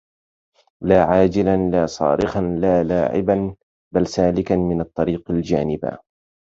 لاعاجلا لاصارخا لالاعبا بل سالكا من الطريق الجانبا